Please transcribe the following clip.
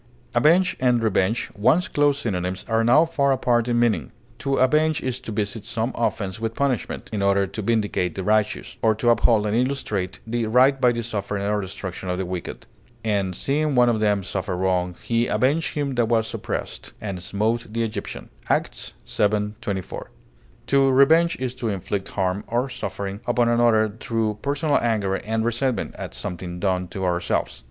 Avenge and revenge, once close synonyms, are now far apart in meaning. To avenge is to visit some offense with punishment, in order to vindicate the righteous, or to uphold and illustrate the right by the suffering or destruction of the wicked. "And seeing one of them suffer wrong, he avenged him that was oppressed, and smote the Egyptian," Acts vii, 24. To revenge is to inflict harm or suffering upon another through personal anger and resentment at something done to ourselves.